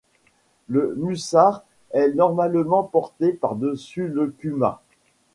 Le mussar est normalement porté par-dessus le kumma.